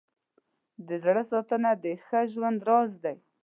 د زړه ساتنه د ښه ژوند راز دی.